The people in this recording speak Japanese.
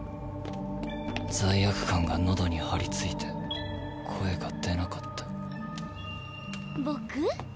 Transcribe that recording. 罪悪感が喉に張りついて声が出なかったボク？